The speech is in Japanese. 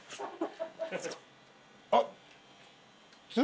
あっ。